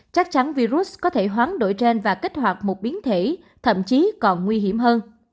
chắc chắn virus có thể hoán đổi trên và kích hoạt một biến thể thậm chí còn nguy hiểm hơn